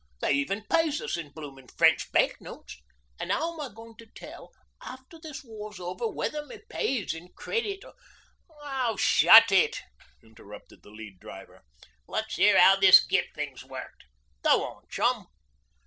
They even pays us in bloomin' French bank notes. An' how I'm goin' to tell, after this war's over, whether my pay's in credit ' 'Oh, shut it!' interrupted the Lead Driver. 'Let's 'ear 'ow this Gift thing's worked. Go on, chum.'